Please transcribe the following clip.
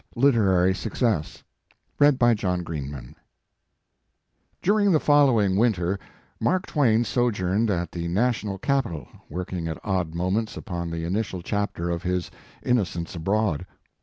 8o Mark Twain V, EIS riE ST LITEEABY SUCCESS, During the following winter Mark Twain sojourned at the National capital, working at odd moments upon the initial chapter of his "Innocents Abroad."